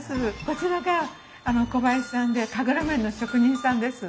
こちらが小林さんで神楽面の職人さんです。